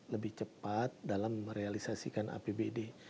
lebih cepat dalam merealisasikan apbd